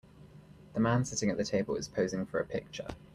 The man sitting at the table is posing for a picture.